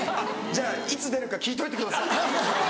じゃあいつ出るか聞いといてください。